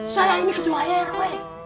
saya ini ketua rw